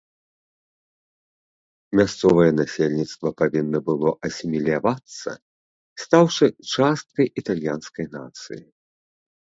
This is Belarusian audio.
Мясцовае насельніцтва павінна было асімілявацца, стаўшы часткай італьянскай нацыі.